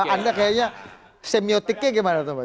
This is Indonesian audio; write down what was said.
anda kayaknya semiotiknya gimana tuh pak